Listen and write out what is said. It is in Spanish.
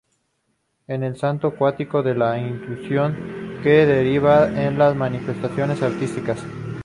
Es el salto cuántico de la intuición, que deriva en las manifestaciones artísticas.